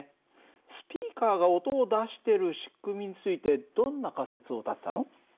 スピーカーが音を出してる仕組みについてどんな仮説を立てたの？